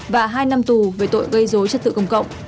và hai năm tù về tội gây dối trật tự công cộng